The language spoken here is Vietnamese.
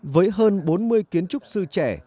với hơn bốn mươi kiến trúc sư trẻ